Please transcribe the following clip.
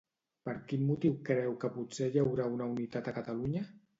Per quin motiu creu que potser hi haurà una unitat a Catalunya?